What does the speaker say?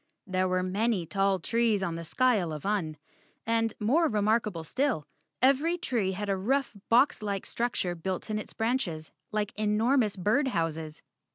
There were many tall trees on the skyle of Un and, more remarkable still, every tree had a rough boxlike struc¬ ture built in its branches, like enormous bird houses.